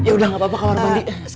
yaudah gak apa apa kamar mandi